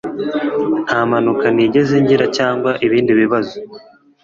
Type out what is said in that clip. Nta mpanuka nigeze ngira cyangwa ibindi bibazo.